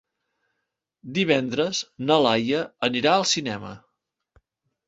Divendres na Laia anirà al cinema.